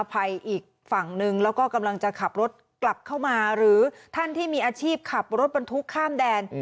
ภัยอีกฝั่งนึงแล้วก็กำลังจะขับรถกลับเข้ามาหรือท่านที่มีอาชีพขับรถบรรทุกข้ามแดน